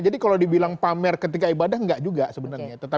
jadi kalau dibilang pamer ketika ibadah enggak juga sebenarnya